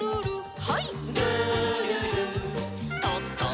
はい。